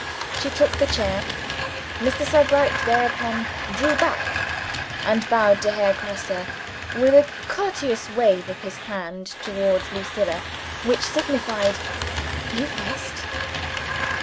She took the chair. Mr. Sebright thereupon drew back, and bowed to Herr Grosse, with a courteous wave of his hand towards Lucilla which signified, "You first!"